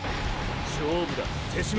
勝負だ手嶋。